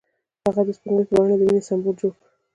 هغه د سپوږمۍ په بڼه د مینې سمبول جوړ کړ.